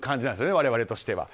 我々としては。